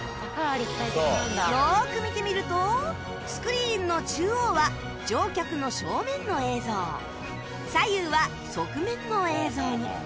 よく見てみるとスクリーンの中央は乗客の正面の映像左右は側面の映像に